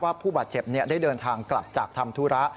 ผู้บาดเจ็บได้เดินทางกลับจากทำธุระ